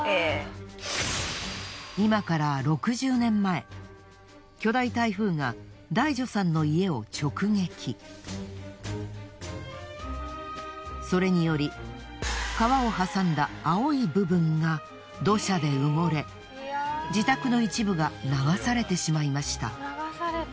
今から６０年前それにより川を挟んだ青い部分が土砂で埋もれ自宅の一部が流されてしまいました。